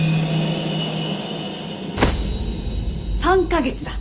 ３か月だ。